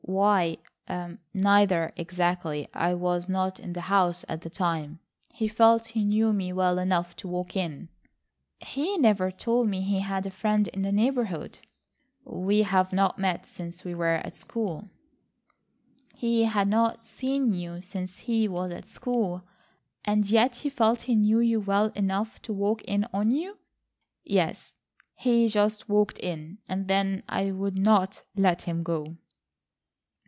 "Why, neither exactly. I was not in the house at the time. He felt he knew me well enough to walk in." "He never told me he had a friend in the neighbourhood." "We have not met since we were at school." "He had not seen you since he was at school, and yet he felt he knew you well enough to walk in on you!" "Yes, he just walked in, and then I would not let him go."